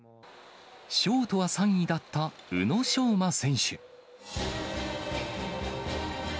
ショートは３位だった宇野昌磨選手。